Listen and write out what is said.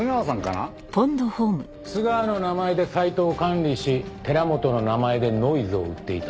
須川の名前でサイトを管理し寺本の名前でノイズを売っていた。